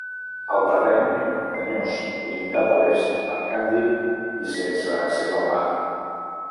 El terreny era muntanyós, limitat a l'est per Kandy i sense accés al mar.